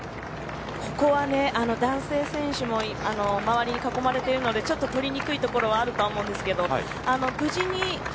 ここは男性選手も周りに囲まれているので少し取りにくいところはあると思います。